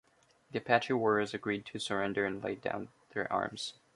The Apache warriors agreed to surrender and laid down their arms.